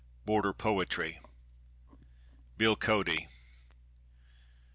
BORDER POETRY. BILL CODY.